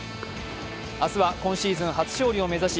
明日は今シーズン初勝利を目指し